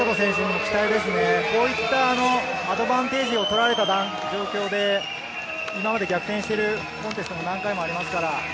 こういったアドバンテージを取られた状況で今まで逆転しているコンテストも何回もありますから。